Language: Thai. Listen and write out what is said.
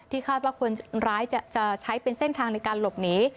คาดว่าคนร้ายจะใช้เป็นเส้นทางในการหลบหนี